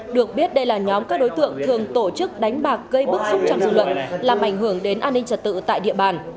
được biết đây là nhóm các đối tượng thường tổ chức đánh bạc gây bức xúc trong dư luận làm ảnh hưởng đến an ninh trật tự tại địa bàn